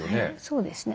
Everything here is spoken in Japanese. そうですね。